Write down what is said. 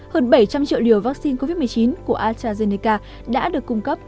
hơn bảy trăm linh triệu liều vaccine covid một mươi chín của astrazeneca đã được cung cấp